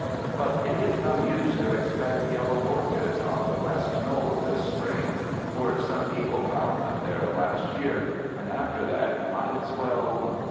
But it is no use to expect yellow orchids on the west knoll this spring, for some people found them there last year, and after that you might as well